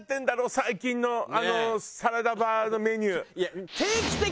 最近のあのサラダバーのメニュー。